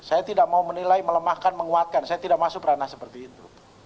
saya tidak mau menilai melemahkan menguatkan saya tidak masuk ranah seperti itu